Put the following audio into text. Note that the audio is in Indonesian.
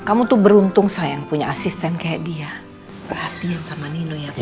kamu tuh beruntung sayang punya asisten kayak dia perhatian sama nino ya